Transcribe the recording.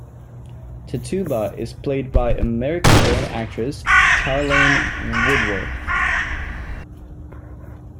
Tituba is played by American born actress, Charlayne Woodworth.